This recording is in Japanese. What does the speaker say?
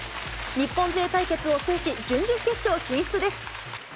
日本勢対決を制し、準々決勝進出です。